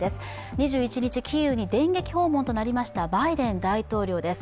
２１日、キーウに電撃訪問となりましたバイデン大統領です。